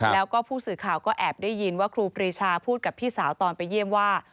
แล้วก็ผู้สื่อข่าวก็แอบได้ยินว่าครูปรีชาพูดกับพี่สาวตอนไปเยี่ยมว่า